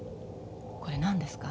これ何ですか？